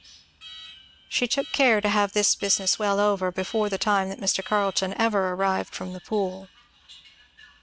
She took care to have this business well over before the time that Mr. Carleton ever arrived from the Pool.